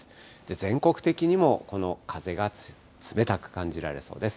全国的にもこの風が冷たく感じられそうです。